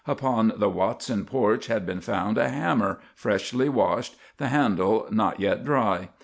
Upon the Watson porch had been found a hammer, freshly washed, the handle not yet dry.